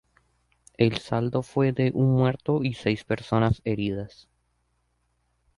El saldo fue de un muerto y seis personas heridas.